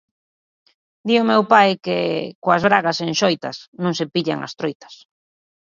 Di o meu pai que "coas bragas enxoitas non se pillan as troitas".